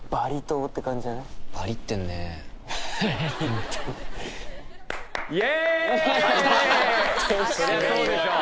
パンパン［そりゃそうでしょう